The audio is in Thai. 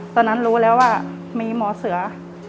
ตอนนั้นรู้แล้วว่ามีหมอเสือ